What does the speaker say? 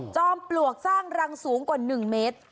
ปลวกสร้างรังสูงกว่า๑เมตร